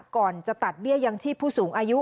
ก่อนจะตัดเบี้ยยังชีพผู้สูงอายุ